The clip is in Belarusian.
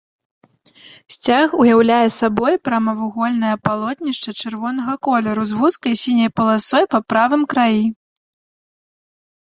Сцяг уяўляе сабой прамавугольнае палотнішча чырвонага колеру з вузкай сіняй паласой па правым краі.